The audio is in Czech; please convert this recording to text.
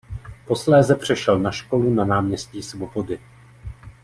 Posléze přešel na školu na náměstí Svobody.